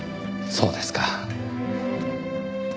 そうですか。